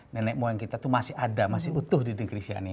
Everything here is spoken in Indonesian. nenek moyang kita itu masih ada masih utuh di negeri siani